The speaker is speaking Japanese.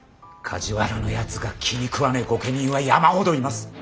梶原のやつが気にくわねえ御家人は山ほどいます。